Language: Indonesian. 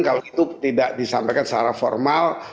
kalau itu tidak disampaikan secara formal